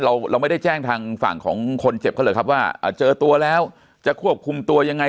เราเราไม่ได้แจ้งทางฝั่งของคนเจ็บเขาเลยครับว่าเจอตัวแล้วจะควบคุมตัวยังไง